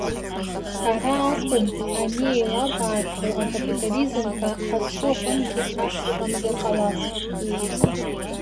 Ара акәым, ани еилабаахьоу акапитализм ҳәа, ҳазҿу аҟынгьы ас иҟамзар ҟалап.